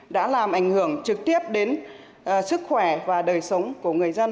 đã làm ảnh hưởng trực tiếp đến sức khỏe và đời sống của người dân